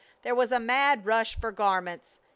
There was a mad rush for garments.